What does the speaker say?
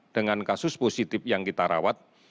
dengan kasus positif yang kita rawat